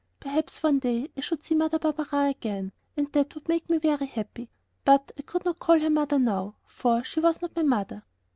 Perhaps one day I should see Mother Barberin again, and that would make me very happy, but I could not call her mother now, for she was not my mother....